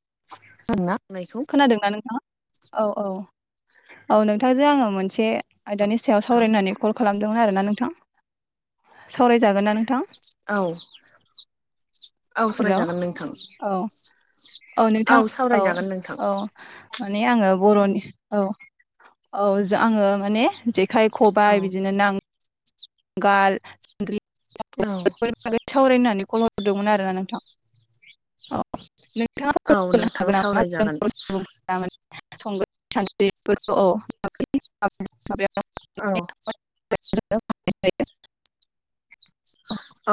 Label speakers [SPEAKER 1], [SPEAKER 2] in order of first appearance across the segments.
[SPEAKER 1] [unintelligible]
[SPEAKER 2] खोनादोंना नोंथाङा औ औ औ नोंथांजों आङो मोनसे आयदानि सायाव
[SPEAKER 1] नोंथां
[SPEAKER 2] सावरायनानै कल खालामदोंमोन आरोना नोंथां सावरायजागोन ना नोंथां
[SPEAKER 1] औ औ
[SPEAKER 2] हेल'
[SPEAKER 1] सावरायजागोन नोंथां
[SPEAKER 2] औ औ नोंथां औ
[SPEAKER 1] सावरायजागोन नोंथां
[SPEAKER 2] औ माने आङो बर'नि औ औ आङो माने जेखाइ
[SPEAKER 1] औ
[SPEAKER 2] खबाय बिदिनो नां गाल
[SPEAKER 1] औ
[SPEAKER 2] बै [unintelligible] सावरायनानै [unintelligible] फुदोंमोन आरोना नोंथां औ नोंथाङा
[SPEAKER 1] औ
[SPEAKER 2] खनो
[SPEAKER 1] नोंथां
[SPEAKER 2] हागोन नामा जों
[SPEAKER 1] सावरायजागोन
[SPEAKER 2] [unintelligible] संग्राय सानद्रिफोरखौ औ [unintelligible]
[SPEAKER 1] औ
[SPEAKER 2] [unintelligible]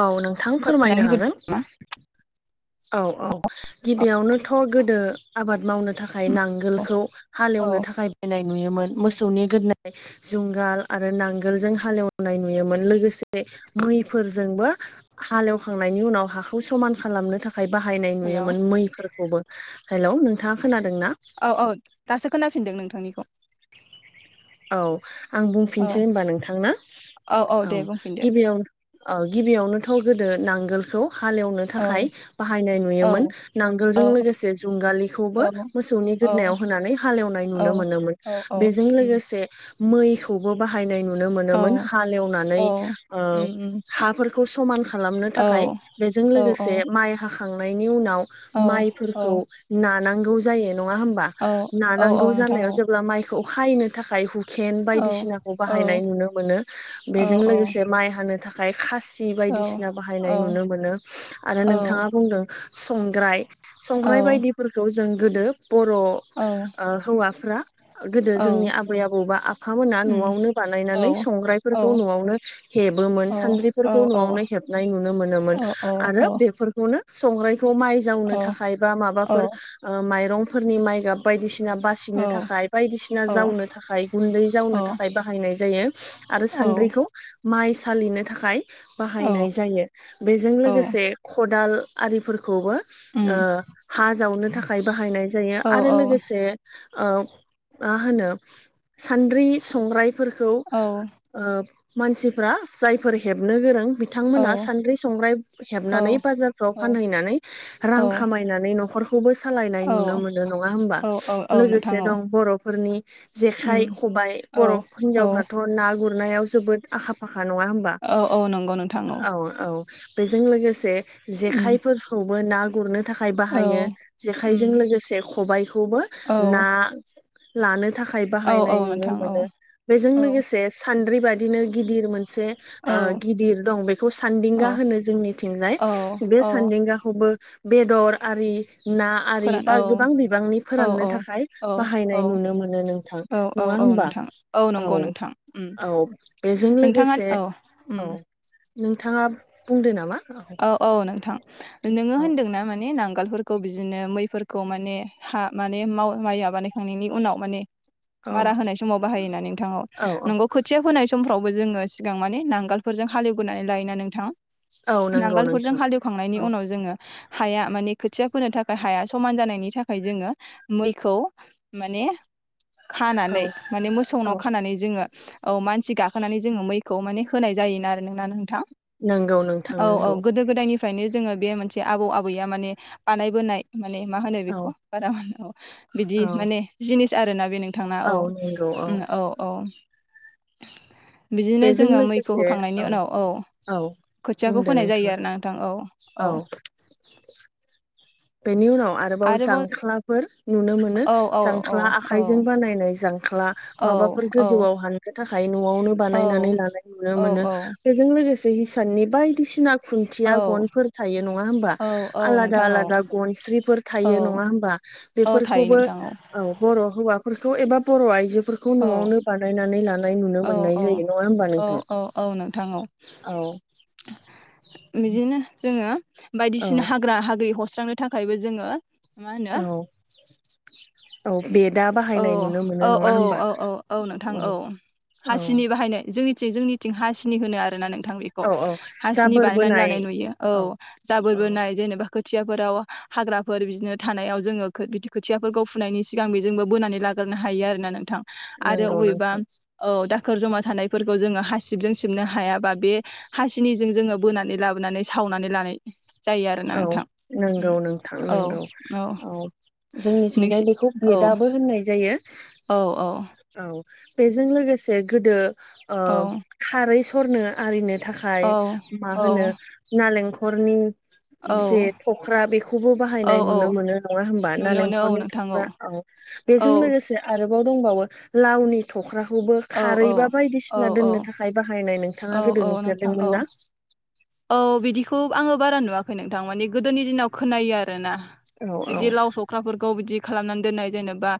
[SPEAKER 1] औ नोंथां
[SPEAKER 2] फोरमायनानै
[SPEAKER 1] फोरमायनो
[SPEAKER 2] होगोरदो
[SPEAKER 1] हागोन
[SPEAKER 2] नामा
[SPEAKER 1] औ औ गिबियावनोथ' गोदो आबाद मावनो थाखाय नांगोलखौ हालेव नो
[SPEAKER 2] औ
[SPEAKER 1] थाखाय नाय नुयोमोन मोसौनि गोदोनानि जुंगाल आरो नांगोलजों हालेवनाय नुयोमोन लोगोसे मैफोरजोंबो हालेव खांनायनि उनाव हाखौ समान खालामनो था खाय बाहायनाय
[SPEAKER 2] हेलौ
[SPEAKER 1] नुयोमोन मैफोरखौबो हेलौ नोंथाङा खोना
[SPEAKER 2] औ औ दासो खोनाफिनदों नोंथांनिखौ
[SPEAKER 1] औ आं
[SPEAKER 2] औ
[SPEAKER 1] बुंफिनसै होनबा नोंथां ना औ
[SPEAKER 2] दे बुंफिनदो
[SPEAKER 1] गिबियाव औ गिबियावनोथ' गोदो नांगोलखौ हालेवनो
[SPEAKER 2] औ
[SPEAKER 1] थाखाय बाहायनाय
[SPEAKER 2] औ
[SPEAKER 1] नुयोमोन
[SPEAKER 2] औ
[SPEAKER 1] नांगोलजों लोगोसे
[SPEAKER 2] औ
[SPEAKER 1] जुंगालिखौबो मोसौ गोदनायाव
[SPEAKER 2] औ
[SPEAKER 1] होनानै हालेवनाय नुनो मोनोमोन
[SPEAKER 2] औ
[SPEAKER 1] बेजों
[SPEAKER 2] उम
[SPEAKER 1] लोगोसे मैखौबो बाहायनाय नुनो
[SPEAKER 2] औ
[SPEAKER 1] मोनोमोन हालेवनानै
[SPEAKER 2] औ
[SPEAKER 1] ओ
[SPEAKER 2] उम उम
[SPEAKER 1] हाफोर खौ समान खालामनो
[SPEAKER 2] औ
[SPEAKER 1] थाखाय बेजों
[SPEAKER 2] औ
[SPEAKER 1] लोगोसे माइ हाखांनाय नि उनाव
[SPEAKER 2] औ
[SPEAKER 1] माइफोरखौ नानांगौ जायो नङा होमबा
[SPEAKER 2] औ औ औ
[SPEAKER 1] नानांगौ
[SPEAKER 2] नोंथां
[SPEAKER 1] जानायाव
[SPEAKER 2] औ
[SPEAKER 1] जेब्ला माइखौ खायनो थाखाय हु खेन
[SPEAKER 2] औ
[SPEAKER 1] बायदिसिनाखौ
[SPEAKER 2] औ
[SPEAKER 1] बाहायनाय नुनो मोनो बेजों
[SPEAKER 2] औ
[SPEAKER 1] लोगोसे माइ हानो थाखाय खासि
[SPEAKER 2] औ
[SPEAKER 1] बायदिसिना
[SPEAKER 2] औ
[SPEAKER 1] बाहायनाय नुनो मोनो आरो नोंथाङा बुंदों संग्राय संग्राय बायदिफोरखौ जों गोदो बर ओ हौवाफ्रा गोदो
[SPEAKER 2] औ
[SPEAKER 1] जोंनि आ आबौ बा आफा
[SPEAKER 2] उम
[SPEAKER 1] मोना‌न'आवनो
[SPEAKER 2] औ
[SPEAKER 1] बानायनानै
[SPEAKER 2] औ
[SPEAKER 1] संग्रायफोरखौ न'आवनो हेबोमोन
[SPEAKER 2] औ औ
[SPEAKER 1] सानद्रिफोरखौ बेखौ
[SPEAKER 2] औ
[SPEAKER 1] नआवनो न हेबनाय नुनो मोन आरो बेफोरखौनो संग्राय थ' माइ जावनो थाखाय बा माबाफोर ओ माइरंफोरनि माइ गाब बायदिसिना बासिनो थाखाय बायदिसिना जावनो थाखाय गुन्दै जावनो थाखाय बाहायनाय जायो आरो
[SPEAKER 2] औ
[SPEAKER 1] सान्द्रिखौ माइ सालिनो थाखाय
[SPEAKER 2] औ
[SPEAKER 1] बाहायनाय जायो बेजों
[SPEAKER 2] औ
[SPEAKER 1] लोगोसे खदाल आरिफोर खौबो ओ
[SPEAKER 2] उम
[SPEAKER 1] हा जावनो थाखाय बाहायनाय जायो
[SPEAKER 2] औ
[SPEAKER 1] आरो लोगोसे ओ मा होनो सान्द्रि संग्रायफोरखौ
[SPEAKER 2] औ
[SPEAKER 1] ओ मानसिफ्रा जायफोर हेबनो गोरों
[SPEAKER 2] औ
[SPEAKER 1] बिथांमोना सानद्रि संग्राय
[SPEAKER 2] औ
[SPEAKER 1] हेबनानै बाजारफ्राव
[SPEAKER 2] औ
[SPEAKER 1] फानहैनानै रां खामायनानै न'खर खौबो सालायनाय
[SPEAKER 2] औ
[SPEAKER 1] नुनो मोनो नङा होमबा
[SPEAKER 2] औ औ औ नोंथां
[SPEAKER 1] लोगोसे
[SPEAKER 2] औ
[SPEAKER 1] दं बर'फोरनि जेखाइ
[SPEAKER 2] उम
[SPEAKER 1] खबाइ
[SPEAKER 2] औ
[SPEAKER 1] बर'
[SPEAKER 2] औ
[SPEAKER 1] हिनजावफ्राथ' ना गुरनायाव जोबोद आखा फा खा नङा होमबा
[SPEAKER 2] औ औ नंगौ नोंथां
[SPEAKER 1] औ औ बेजों लोगोसे
[SPEAKER 2] उम
[SPEAKER 1] जेखायफोरखौबो ना गुरनो थाखाय
[SPEAKER 2] औ
[SPEAKER 1] बाहायो
[SPEAKER 2] उम
[SPEAKER 1] जेखायजों लोगोसे खबाइ खौबो
[SPEAKER 2] औ
[SPEAKER 1] ना लानो थाखाय
[SPEAKER 2] औ औ
[SPEAKER 1] बाहायनाय नुनो
[SPEAKER 2] नोंथां औ
[SPEAKER 1] मोनो बेजों
[SPEAKER 2] औ
[SPEAKER 1] लोगोसे सान्द्रि बादिनो गिदिर मोन से
[SPEAKER 2] औ
[SPEAKER 1] गिदिर दं बेखौ सान्दिंगा
[SPEAKER 2] औ
[SPEAKER 1] होनो जोंनिथिंजाय
[SPEAKER 2] औ
[SPEAKER 1] बे
[SPEAKER 2] औ
[SPEAKER 1] सान्दिंगाखौबो बेदर आरि ना आरि
[SPEAKER 2] फोरान औ
[SPEAKER 1] बा गोबां बिबांनि
[SPEAKER 2] औ
[SPEAKER 1] फोराननो थाखाय
[SPEAKER 2] औ
[SPEAKER 1] बाहायनाय
[SPEAKER 2] औ
[SPEAKER 1] नुनो मोन नो नोंथां
[SPEAKER 2] औ औ
[SPEAKER 1] नङा
[SPEAKER 2] औ
[SPEAKER 1] होमबा
[SPEAKER 2] नोंथां
[SPEAKER 1] औ
[SPEAKER 2] नंगौ नोंथां उम
[SPEAKER 1] औ बेजों
[SPEAKER 2] नोंथाङा
[SPEAKER 1] लोगोसे
[SPEAKER 2] औ उम
[SPEAKER 1] औ नोंथाङा बुंदो नामा
[SPEAKER 2] औ औ नोंथां नोङो
[SPEAKER 1] औ
[SPEAKER 2] होनदोंना माने नां गालफोरखौ बिदिनो मैफोरखौ माने हा माने माइया बानायखांनायनि उनाव माने
[SPEAKER 1] औ
[SPEAKER 2] मारा होनाय समाव बाहायोना नोंथाङाव
[SPEAKER 1] औ औ
[SPEAKER 2] नोंगौ खोथिया फोनाय समफ्राव बो जोङो सिगां माने नांगालफोरजों हालेवग्रोननानै लायोना नोंथां
[SPEAKER 1] औ नंगौ
[SPEAKER 2] नांगालफोरजों
[SPEAKER 1] नोंथां
[SPEAKER 2] हालेवखांनायनि
[SPEAKER 1] औ
[SPEAKER 2] उनाव जोङो। हाया माने खोथिया फोनो थाखाय हाया समान जानायनि थाखाय जोङो मैखौ माने। खानानै
[SPEAKER 1] औ
[SPEAKER 2] माने मोसौनाव
[SPEAKER 1] औ
[SPEAKER 2] खानानै जोङो। औ मानसि गाखोनानै जोङो मैखौ माने होनाय जायोना आरो नोंना नोंथां।
[SPEAKER 1] नंगौ नों
[SPEAKER 2] औ औ गोदो गोदायनिफ्रायनो जोङो बे मोनसे आबौ आबैया माने बानायबोनाय। माने मा होनो
[SPEAKER 1] औ
[SPEAKER 2] बेखौ बारा बिदि
[SPEAKER 1] औ
[SPEAKER 2] माने जिनिस आरोना। बि नोंथांना औ औ औ। बिदिनो
[SPEAKER 1] बेजों
[SPEAKER 2] जोङो मैखौ
[SPEAKER 1] लोगोसे
[SPEAKER 2] होखांनायनि
[SPEAKER 1] औ
[SPEAKER 2] उनाव औ। खोथियाखौ
[SPEAKER 1] बुंदो
[SPEAKER 2] फोनाय जायो
[SPEAKER 1] नोंथाङा
[SPEAKER 2] आरो ना नोंथां औ औ।
[SPEAKER 1] बेनि उनाव आरोबाव जांख्लाफोर नुनो मोनो
[SPEAKER 2] औ औ औ
[SPEAKER 1] जांख्ला
[SPEAKER 2] औ
[SPEAKER 1] आखाइजों बानायनाय जांख्ला।
[SPEAKER 2] औ
[SPEAKER 1] माबाफोर
[SPEAKER 2] औ
[SPEAKER 1] गोजौआव हाननो थाखाय न'आवनो बानायनानै लानाय नुनो मोनो
[SPEAKER 2] औ
[SPEAKER 1] बेजों लोगोसे। हिसाननि बायदिसिना खुन्थिया
[SPEAKER 2] औ
[SPEAKER 1] गनफोर थायो नङा होमबा
[SPEAKER 2] औ औ
[SPEAKER 1] आलादा
[SPEAKER 2] नोंथां औ
[SPEAKER 1] आलादा। गनस्रिफोर
[SPEAKER 2] औ
[SPEAKER 1] थायो नङा होमबा
[SPEAKER 2] औ थायो
[SPEAKER 1] बेफोरखौबो
[SPEAKER 2] नोंथां
[SPEAKER 1] औ बर' हौवाफोरखौ एबा बर' आइजो फोरखौ
[SPEAKER 2] औ
[SPEAKER 1] न'आवनो बानायनानै लानाय नुनो
[SPEAKER 2] औ
[SPEAKER 1] मोननाय
[SPEAKER 2] औ
[SPEAKER 1] जायो नङा होमबा
[SPEAKER 2] औ
[SPEAKER 1] नोंथां
[SPEAKER 2] औ औ नोंथां औ
[SPEAKER 1] औ
[SPEAKER 2] बिदिनो जोङो।
[SPEAKER 1] औ
[SPEAKER 2] बायदिसिना हाग्रा हाग्रि हस्रांनो थाखायबो जोङो मा होनो
[SPEAKER 1] औ। औ बेदा
[SPEAKER 2] औ
[SPEAKER 1] बाहायनाय नुनो
[SPEAKER 2] औ
[SPEAKER 1] मोनो
[SPEAKER 2] औ
[SPEAKER 1] नङा होमबा
[SPEAKER 2] औ औ औ नोंथां औ हासिनि बाहायनाय जोंनि। थिं जोंनिथिं हासिनि होनो आरो नों थां बेख'
[SPEAKER 1] औ औ
[SPEAKER 2] हांसिनि
[SPEAKER 1] जाबोर
[SPEAKER 2] बानायनानै
[SPEAKER 1] बोनाय
[SPEAKER 2] लानाय नुयो औ जाबोर
[SPEAKER 1] औ
[SPEAKER 2] बोनाय जेनेबा। खोथियाफोराव हाग्राफोर बिदिनो थानायाव जोङो बिदि खोथियाफोरखौ फुनायनि सिगां बि जोंबो बोनानै लागोरनो हायो आरोना नोंथां आरो
[SPEAKER 1] नंगौ
[SPEAKER 2] बबेबा
[SPEAKER 1] नोंथां
[SPEAKER 2] औ दा खोर जमा थानायफोरखौ जोङो हासिबजों सिबनो हायाबा बे हासिनिजों जोङो बोनानै लाबोनानै साव नानै लानाय जायो आरोना
[SPEAKER 1] औ
[SPEAKER 2] नोंथां
[SPEAKER 1] नंगौ
[SPEAKER 2] उम
[SPEAKER 1] नोंथां
[SPEAKER 2] औ
[SPEAKER 1] नंगौ औ
[SPEAKER 2] नोंसि
[SPEAKER 1] जोंनिथिंजाय बिखौ बे
[SPEAKER 2] औ
[SPEAKER 1] दाबो होननाय जायो।
[SPEAKER 2] औ औ।
[SPEAKER 1] औ बेजों लोगोसे गोदो ओ
[SPEAKER 2] औ
[SPEAKER 1] खारै सरनो आरिनो।
[SPEAKER 2] औ
[SPEAKER 1] थाखाय मा
[SPEAKER 2] औ
[SPEAKER 1] होनो नालेंखरनि
[SPEAKER 2] औ
[SPEAKER 1] जे थख्रा बेखौबो
[SPEAKER 2] औ
[SPEAKER 1] बाहायनाय नुनो
[SPEAKER 2] औ
[SPEAKER 1] मोनो नङा होमबा
[SPEAKER 2] नुनो मोनो औ
[SPEAKER 1] नालेंखलनि
[SPEAKER 2] नोंथां
[SPEAKER 1] थख्रा औ।
[SPEAKER 2] औ
[SPEAKER 1] बेजों लोगोसे आरोबाव दंबावो लावनि थख्राखौबो
[SPEAKER 2] औ
[SPEAKER 1] खारै
[SPEAKER 2] औ
[SPEAKER 1] बा
[SPEAKER 2] औ
[SPEAKER 1] बायदिसिना
[SPEAKER 2] औ
[SPEAKER 1] दोननो थाखाय बाहायनाय नो
[SPEAKER 2] औ
[SPEAKER 1] नोंथाङा गोदो
[SPEAKER 2] औ नोंथां औ
[SPEAKER 1] नुफेरदोंमोन ना?
[SPEAKER 2] औ बिदिखौ आङो बारा नुवाखै नोंथां मानि गोदोनि दिनाव खोनायो आरो। आरोना
[SPEAKER 1] औ औ
[SPEAKER 2] बिदि लाव थख्राफोरखौ बिदि खालामनानै दोननाय जेनेबा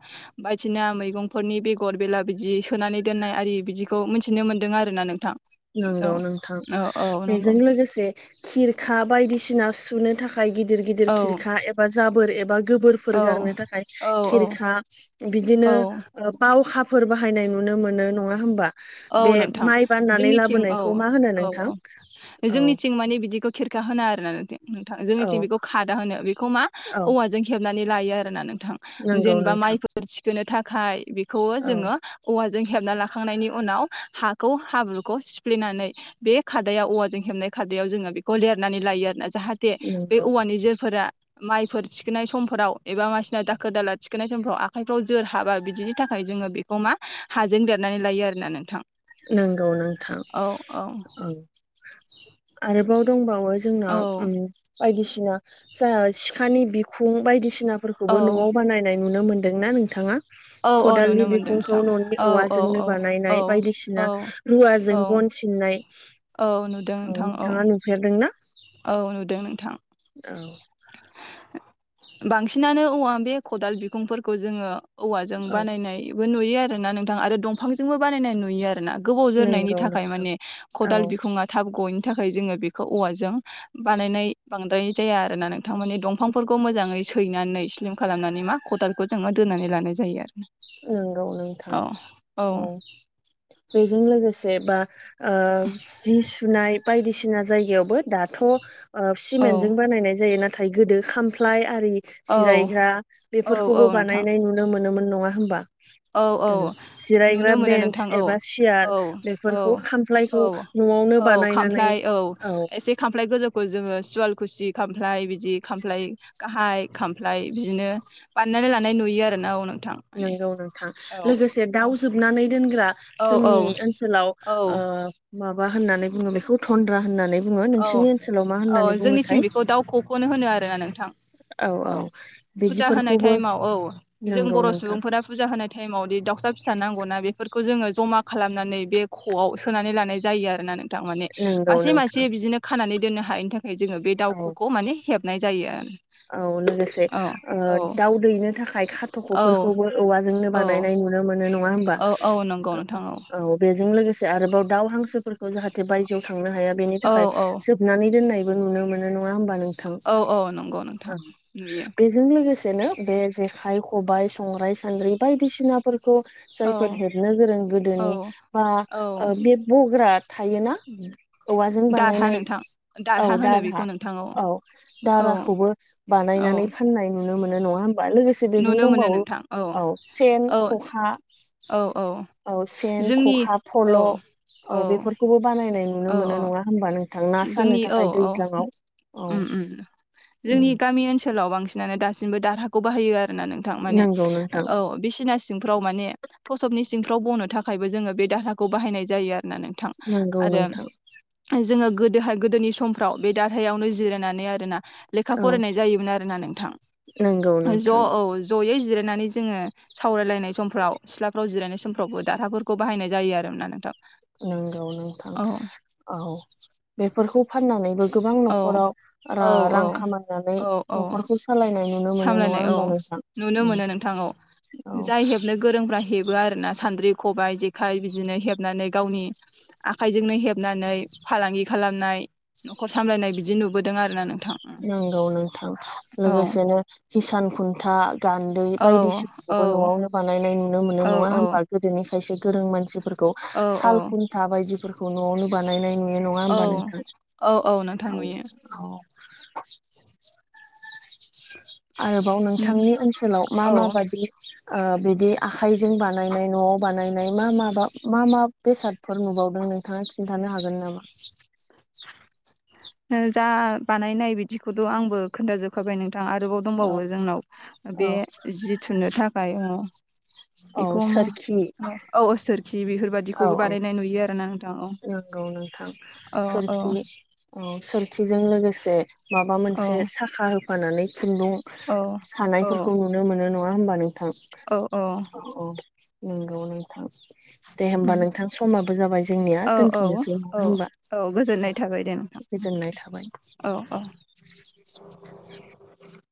[SPEAKER 2] बायदिसिना मैगंफोरनि बेगर बेला बिदि सोनानै दोननाय आरि बिदि। खौ मिथिनो मोनदों आरोना नोंथां। औ
[SPEAKER 1] नोंगौ नोंथां।
[SPEAKER 2] औ औ
[SPEAKER 1] बेजों
[SPEAKER 2] नंगौ
[SPEAKER 1] लोगोसे खिरखा बायदिसिना सुनो थाखाय। गिदिर
[SPEAKER 2] औ
[SPEAKER 1] गिदिर खिरखा एबा जाबोर एबा गोबोरफोर
[SPEAKER 2] औ
[SPEAKER 1] गारनो थाखाय
[SPEAKER 2] औ औ
[SPEAKER 1] खिरखा बिदिनो
[SPEAKER 2] औ
[SPEAKER 1] ओ बावखा फोर बाहायनाय नुनो मोनो नङा होमबा
[SPEAKER 2] औ
[SPEAKER 1] बे
[SPEAKER 2] नोंथां
[SPEAKER 1] माइ बानना
[SPEAKER 2] जोंनिथिं औ औ औ जोंनिथिं मानि बिदिखौ खिरखा होना आरोना नोंथां
[SPEAKER 1] औ
[SPEAKER 2] जोंनिंथिं। बिखौ खादा होनो। बिखौ मा
[SPEAKER 1] औ
[SPEAKER 2] औवाजों हेबनानै लायो आरोना नोंथां
[SPEAKER 1] नंगौ
[SPEAKER 2] जेनेबा
[SPEAKER 1] नोंथां
[SPEAKER 2] माइफोर थिखोननो थाखाय बेखौवो
[SPEAKER 1] औ
[SPEAKER 2] जोङो औवाजों हेबनानै लाखांनायनि उ उनाव हाखौ हाब्रुखौ सिफ्लेनानै बे खादायाव औवाजों हेबनाय खादायाव जोङो बेखौ लि रनानै लायो आरोना जाहाथे बे
[SPEAKER 1] नंगौ
[SPEAKER 2] औवानि जोरफोरा माइफोर थिखोनाय समफोराव एबा मानसिनाव दाखोर दाला थिखोननाय समफोराव आखाइफ्राव जोर हाबा बिदिनि थाखाय जोङो बेखौ मा हाजों लेरनानै लायो आरोना नोंथां।
[SPEAKER 1] नंगौ नोंथां। औ आरोबाव दंबा वो जोंनाव
[SPEAKER 2] औ
[SPEAKER 1] उम बायदिसिना जा सिखानि बिखुं बायदिसिना फोरफोरखौबो
[SPEAKER 2] औ
[SPEAKER 1] न'आव बानायनाय नुनो मोन्दोंना नोंथाङा
[SPEAKER 2] औ औ
[SPEAKER 1] खदालनि
[SPEAKER 2] नुनो मोनदों
[SPEAKER 1] बिखुंखौ
[SPEAKER 2] नोंथां
[SPEAKER 1] न'नि
[SPEAKER 2] औ औ
[SPEAKER 1] औवाजोंनो
[SPEAKER 2] औ औ
[SPEAKER 1] बानायनाय बायदिसि
[SPEAKER 2] औ
[SPEAKER 1] ना रुवाजों
[SPEAKER 2] औ
[SPEAKER 1] बन सिननाय
[SPEAKER 2] औ नुदों
[SPEAKER 1] औ
[SPEAKER 2] नोंथां
[SPEAKER 1] नोंथाङा नुफेरदोंना
[SPEAKER 2] औ नुदों नोंथां
[SPEAKER 1] औ
[SPEAKER 2] बांसिनानो औवा बे खदाल बिखुंफोरखौ जोङो औवाजों
[SPEAKER 1] औ
[SPEAKER 2] बानायनाय बो नुयो आरो ना नों थां आरो दंफांजोंबो बानायनाय नुयो आरोना गोबाव जोरनायनि
[SPEAKER 1] नंगौ
[SPEAKER 2] थाखाय
[SPEAKER 1] नोंथां
[SPEAKER 2] माने
[SPEAKER 1] औ
[SPEAKER 2] खदाल बिखुङा थाब गयै थाखाय जोङो बेखौ औवाजों बानायनाय बांद्राय जाया आरोना नों थां माने दंफांफोरखौ मोजाङै सैनानै स्लिम खालामनानै मा खदालखौ जोङो दोनानै लानाय जायो आरो
[SPEAKER 1] नंगौ नोंथां
[SPEAKER 2] औ
[SPEAKER 1] औ बेजों लोगोसे बा ओ जि सुनाय बायदिसिना जायगायावबो दाथ' ओ
[SPEAKER 2] औ
[SPEAKER 1] सिमेन्ट जों बानायनाय जायो नाथाय गोदो खामफ्लाय आरि
[SPEAKER 2] औ
[SPEAKER 1] जिरायग्रा
[SPEAKER 2] औ औ
[SPEAKER 1] बेफोरखौबो
[SPEAKER 2] नोंथां
[SPEAKER 1] बानायनाय नुनो मोनोमोन नङा होमबा
[SPEAKER 2] औ
[SPEAKER 1] उम
[SPEAKER 2] नुनो
[SPEAKER 1] जिरायग्रा
[SPEAKER 2] मोनो
[SPEAKER 1] बेन्स
[SPEAKER 2] नोंथां औ
[SPEAKER 1] एबा सियार
[SPEAKER 2] औ औ
[SPEAKER 1] बेफोरखौ
[SPEAKER 2] औ
[SPEAKER 1] खामफ्लायखौ न'आवनो
[SPEAKER 2] औ
[SPEAKER 1] बानायनानै
[SPEAKER 2] खामफ्लाय औ एसे खामफ्लाय गोजौखौ जोङो सुवाल खुसि खामफ्लाय बिदि खामफ्लाय गाहाय खामफ्लाय बिदिनो बानायनानै लानाय नुयो आरो ना औ नोंथां माने
[SPEAKER 1] नंगौ नोंथां
[SPEAKER 2] औ
[SPEAKER 1] लोगोसे
[SPEAKER 2] औ
[SPEAKER 1] दाउ जोबनानै दोनग्रा
[SPEAKER 2] औ औ
[SPEAKER 1] जोंनि ओनसोलाव
[SPEAKER 2] औ
[SPEAKER 1] ओ मा बा होननानै बुङो बेखौ थन्द्रा होननानै बुङो
[SPEAKER 2] औ
[SPEAKER 1] नोंसोरनि ओनसोलाव मा
[SPEAKER 2] औ
[SPEAKER 1] होननानै बुङोथाय
[SPEAKER 2] जोंनिथिं बेखौ दावख'खौनो होनो आरोना नोंथां औ फुजा होनाय
[SPEAKER 1] बिदिफोरखौबो
[SPEAKER 2] टाइमाव औ जों
[SPEAKER 1] नंगौ
[SPEAKER 2] बर' सु
[SPEAKER 1] नोंथां
[SPEAKER 2] बुंफोरा फुजा होनाय टाइमावदि दाउसा फिसा नांगौ ना बेफोर खौ जोङो जमा खालामनानै बे खआव सोनानै लानाय जायो आरोना नोंथां माने
[SPEAKER 1] नंगौ
[SPEAKER 2] मासे मा
[SPEAKER 1] नोंथां
[SPEAKER 2] बिदिनो खानानै दोननो हायैनि थाखाय जोङो बे
[SPEAKER 1] औ
[SPEAKER 2] दाउख'खौ माने हेबनाय जायो आरो
[SPEAKER 1] औ लोगोसे ओ
[SPEAKER 2] औ
[SPEAKER 1] दाउ दैनो थाखाय
[SPEAKER 2] औ
[SPEAKER 1] खाथख'फोरखौबो औवाजोंनो
[SPEAKER 2] औ
[SPEAKER 1] बानायनाय नुनो मोनो नङा होमबा
[SPEAKER 2] औ औ नंगौ नोंथां
[SPEAKER 1] औ बे जों लोगोसे आरोबाव दाउ हांसोफोरखौ जाहाथे बायजोआव थांनो हाया बेनि
[SPEAKER 2] औ
[SPEAKER 1] थाखाय
[SPEAKER 2] औ
[SPEAKER 1] जोबनानै दोननाय बो नुनो मोनो नङा होनबा नों
[SPEAKER 2] औ औ नंगौ नोंथां
[SPEAKER 1] ओं
[SPEAKER 2] नुयो
[SPEAKER 1] बेजों लागो सेनो बे जेखाइ खबाइ संग्राइ सान्द्रि बायदिसिनाफोर खौ
[SPEAKER 2] औ
[SPEAKER 1] जायफोर हेबनो गोरों
[SPEAKER 2] औ
[SPEAKER 1] गोदोनि बा
[SPEAKER 2] औ
[SPEAKER 1] ओ बे बग्रा थायोना औवाजों
[SPEAKER 2] दारहा
[SPEAKER 1] बानायनाय
[SPEAKER 2] नोंथां
[SPEAKER 1] औ
[SPEAKER 2] होनो बेखौ
[SPEAKER 1] दारहा
[SPEAKER 2] नोंथां
[SPEAKER 1] औ
[SPEAKER 2] औ
[SPEAKER 1] दारहाखौबो
[SPEAKER 2] औ
[SPEAKER 1] बानायनानै फाननाय नुनो मोनो नङा होमबा लोगोसे बेजों
[SPEAKER 2] नुनो मोनो
[SPEAKER 1] दंबावो
[SPEAKER 2] नोंथां
[SPEAKER 1] औ सेन
[SPEAKER 2] औ
[SPEAKER 1] खखा
[SPEAKER 2] औ
[SPEAKER 1] औ सेन
[SPEAKER 2] जोंनि
[SPEAKER 1] खखा फल' औ
[SPEAKER 2] औ
[SPEAKER 1] बेफोरखौबो बानायनाय नुनो
[SPEAKER 2] औ
[SPEAKER 1] मोनो नङा होमबा नों थां ना सानो
[SPEAKER 2] जोंनि औ
[SPEAKER 1] थाखाय
[SPEAKER 2] औ
[SPEAKER 1] दैज्लाङाव औ
[SPEAKER 2] उम उम जोंनि
[SPEAKER 1] उम
[SPEAKER 2] गामि ओनसोलाव बांसिनानो दा सिमबो दारहाखौ बाहायो आरो ना नोंथां माने
[SPEAKER 1] नंगौ नोंथां
[SPEAKER 2] औ बिसिनास सिंफ्राव माने थसबनि सिंफ्राव बनो थाखायबो जोङो बे दारहाखौ बाहायनाय जायो ना नोंथां
[SPEAKER 1] नंगौ
[SPEAKER 2] आरो
[SPEAKER 1] नोंथां
[SPEAKER 2] जोङो गोदोहाय गोदोनि समफ्राव बे दारहायावनो जिरायनानै आरोना लेखा
[SPEAKER 1] औ
[SPEAKER 2] फरायनाय जायोमोन आरोना नोंथां
[SPEAKER 1] नंगौ
[SPEAKER 2] ज
[SPEAKER 1] नोंथां
[SPEAKER 2] औ जयै जिरायनानै जोङो सावरायलायनाय समफ्राव सिलाफ्राव जिरायनाय समफ्रावबो दारहाफोरखौ बाहायनाय जायोमोन आरो ना नोंथां।
[SPEAKER 1] नंगौ नोंथां
[SPEAKER 2] औ
[SPEAKER 1] औ बेफोरखौ फाननानैबो गोबां
[SPEAKER 2] औ
[SPEAKER 1] न'खराव रा
[SPEAKER 2] औ
[SPEAKER 1] रां
[SPEAKER 2] औ
[SPEAKER 1] खामायनानै
[SPEAKER 2] औ औ
[SPEAKER 1] न'खरखौ सालायनाय नुनो मोनो नङा
[SPEAKER 2] सामलायनाय औ
[SPEAKER 1] होमबा नोंथां
[SPEAKER 2] नुनो
[SPEAKER 1] उम
[SPEAKER 2] मोनो नोंथां औ
[SPEAKER 1] औ
[SPEAKER 2] जाय हेबनो गोरोंफ्रा हेबो आरोना। सान्द्रि खबाइ जेखाइ बिदिनो हेबनानै गावनि आखाइजोंनो हेबनानै फालांगि खालामनाय न'खर सामलायनाय बिदि नुबोदों आरोना नों
[SPEAKER 1] नंगौ नोंथां लोगोसेनो हिसान खुन्था गान्दै
[SPEAKER 2] औ औ
[SPEAKER 1] बायदिसिनाखौबो न'आवनो बानायनाय नुनो मोनो
[SPEAKER 2] औ
[SPEAKER 1] नङा
[SPEAKER 2] औ
[SPEAKER 1] होमबा गोदोनिखायसो गोरों मानसिफोर खौ साल खुन्था बायदिफोरखौ न'आवनो बानायनाय नुयो नङा
[SPEAKER 2] औ
[SPEAKER 1] होमबा नोंथां।
[SPEAKER 2] औ औ नोंथां नुयो
[SPEAKER 1] आरोबाव
[SPEAKER 2] नों
[SPEAKER 1] नोंथांनि ओनसोलाव मा
[SPEAKER 2] औ
[SPEAKER 1] मा बादि ओ बिदि आखाइजों बानायनाय न'आव बानायनाय मा माबा मा मा बेसादफोर नुबावदों? नोंथाङा खिनथानो हागोन नामा?
[SPEAKER 2] ओ जा बानायनाय बिदिखौथ आंबो खोन्थाजोबखाबाय नों थां आरोबाव
[SPEAKER 1] औ
[SPEAKER 2] दंबावो जोंनाव बे
[SPEAKER 1] औ
[SPEAKER 2] जि थुननो थाखाय अ
[SPEAKER 1] औ
[SPEAKER 2] बिखौ मा
[SPEAKER 1] सोरखि
[SPEAKER 2] औ सोरखि बिफोरबायदिखौबो बानायनाय नुयो आरो ना आं।
[SPEAKER 1] नोंगौ नोंथां
[SPEAKER 2] औ
[SPEAKER 1] सोरखि औ सोरखिजों लोगोसे माबा
[SPEAKER 2] औ
[SPEAKER 1] मोनसे साखा होफानानै खुन्दुं
[SPEAKER 2] औ औ
[SPEAKER 1] सानायफोरखौ नुनो मोनो नङा होमबा नों थां
[SPEAKER 2] औ
[SPEAKER 1] औ नोंगौ नोंथां। दे होमबा नोंथां समाबो जाबाय जोंनिया
[SPEAKER 2] औ औ
[SPEAKER 1] दोनथ'नोसै नङा
[SPEAKER 2] औ
[SPEAKER 1] होमबा
[SPEAKER 2] औ गोजोननाय थाबाय दे नोंथां
[SPEAKER 1] गोजोननाय थाबाय
[SPEAKER 2] औ औ। [inaudible]